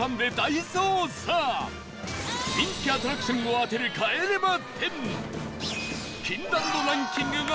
人気アトラクションを当てる『帰れま１０』